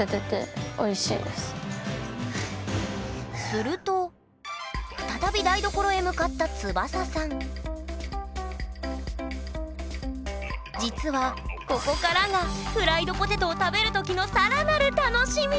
すると再び台所へ向かったつばささん実はここからがフライドポテトを食べる時のさらなる楽しみ！